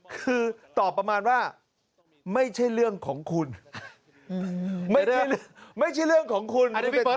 คือตอบประมาณว่าไม่ใช่เรื่องของคุณไม่ใช่ไม่ใช่เรื่องของคุณ